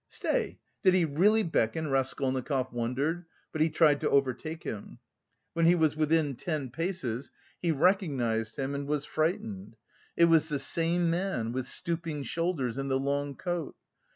"Stay, did he really beckon?" Raskolnikov wondered, but he tried to overtake him. When he was within ten paces he recognised him and was frightened; it was the same man with stooping shoulders in the long coat.